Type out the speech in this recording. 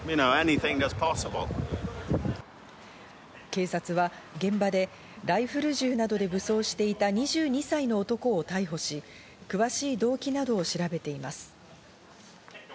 警察は現場でライフル銃などで武装していた２２歳の男を逮捕し、詳しい動機などを調べています。